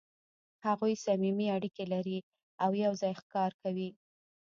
هغوی صمیمي اړیکې لري او یو ځای ښکار کوي.